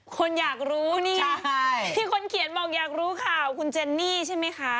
คนอยากรู้นี่ไงที่คนเขียนบอกอยากรู้ข่าวคุณเจนนี่ใช่ไหมคะ